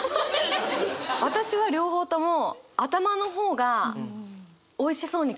私は両方とも頭の方がおいしそうに感じるんですよ。